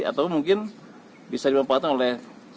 atau mungkin bisa dimanfaatkan oleh